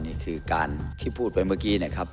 นี่คือการที่พูดไปเมื่อกี้นะครับ